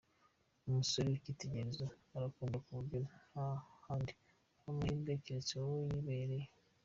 Umusore w’icyitegererezo arakunda ku buryo nta bandi aha amahirwe keretse wowe yihebeye.